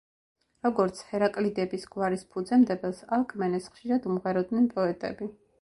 როგორც ჰერაკლიდების გვარის ფუძემდებელს, ალკმენეს ხშირად უმღეროდნენ პოეტები.